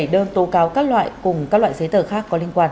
hai mươi bảy đơn tố cáo các loại cùng các loại giấy tờ khác có liên quan